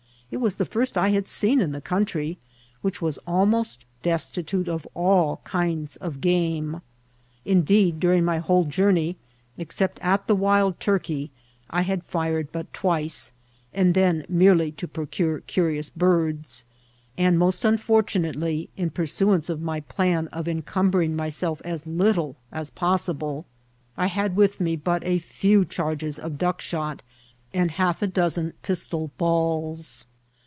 It was the first I had seen in the country, which was almost destitute of all kinds of game. Indeed, during my whole journey, except at the wild turkey, I had fired but twice, and then merely to procure curious birds ; and most unfortunate HBRD8 OP DSSE. 881 ly, in pursuance of my plan of encumbering myself as little as possiblci I had with me but a few charges of duck shot and half a dozen pistol balls.